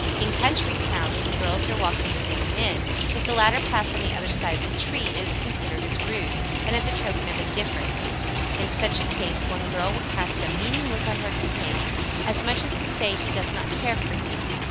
In country towns, when girls are walking with young men, if the latter pass on the other side of the tree it is considered as rude, and as a token of indifference; in such a case one girl will cast a meaning look on her companion as much as to say, "he does not care for you."